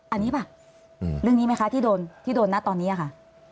อันนี้ป่ะเรื่องนี้ไหมคะที่โดนที่โดนนะตอนนี้ค่ะ